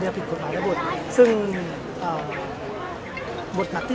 ที่แล้วเราจะอุทต่อไป